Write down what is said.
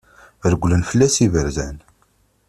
Reglen fell-as yiberdan.